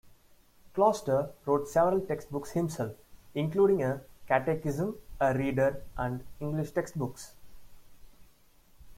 Kloster wrote several textbooks himself, including a catechism, a reader and English textbooks.